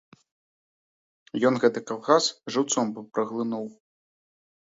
Ён гэты калгас жыўцом бы праглынуў.